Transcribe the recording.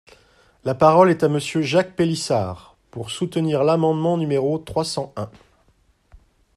La parole est à Monsieur Jacques Pélissard, pour soutenir l’amendement numéro trois cent un.